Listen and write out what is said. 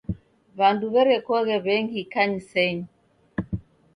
W'andu w'erekoghe w'engi ikanisenyi.